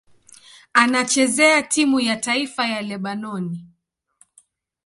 Anachezea timu ya taifa ya Lebanoni.